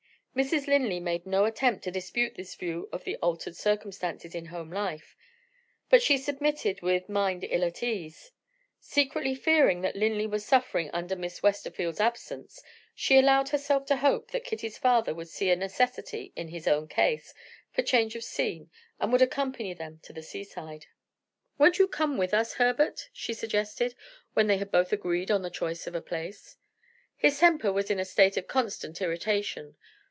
Mrs. Linley made no attempt to dispute this view of the altered circumstances in home life but she submitted with a mind ill at ease. Secretly fearing that Linley was suffering under Miss Westerfield's absence, she allowed herself to hope that Kitty's father would see a necessity, in his own case, for change of scene, and would accompany them to the seaside. "Won't you come with us, Herbert?" she suggested, when they had both agreed on the choice of a place. His temper was in a state of constant irritation.